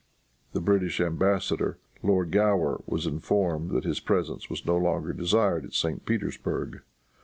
The British ambassador, Lord Gower, was informed that his presence was no longer desired at St. Petersburg.